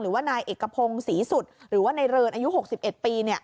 หรือว่านายเอกพงศรีสุดหรือว่าในเรินอายุ๖๑ปี